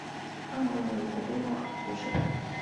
阿马朗人口变化图示